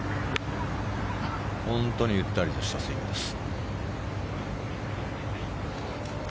本当にゆったりとしたスイングです。